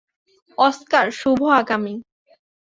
Oscar, শুভ আগামী।